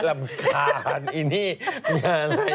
ลำคาญอีเนี้ย